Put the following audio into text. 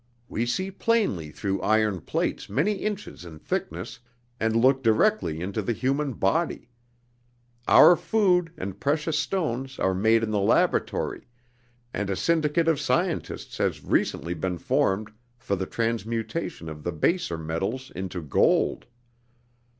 We see plainly through iron plates many inches in thickness, and look directly into the human body. Our food and precious stones are made in the laboratory, and a syndicate of scientists has recently been formed for the transmutation of the baser metals into gold.